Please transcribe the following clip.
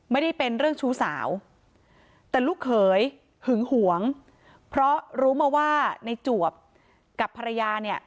ไม่ได้เป็นเรื่องชู้สาวแต่ลูกเขยหึงหวงเพราะรู้มาว่าในจวบกับภรรยาเนี่ย